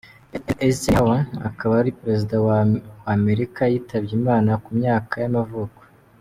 Eisenhower, akaba ari perezida wa wa Amerika yitabye Imana ku myaka y’amavuko.